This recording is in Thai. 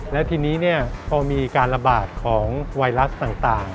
แล้วทีนี้พอมีการระบาดของไวรัสต่าง